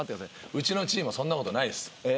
うちのチームはそんなことないです。